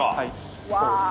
うわ！